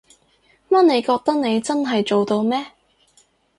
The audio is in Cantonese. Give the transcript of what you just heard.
乜你覺得你真係做到咩？